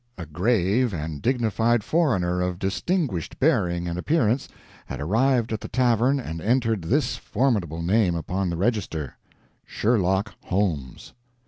A grave and dignified foreigner of distinguished bearing and appearance had arrived at the tavern, and entered this formidable name upon the register: SHERLOCK HOLMES.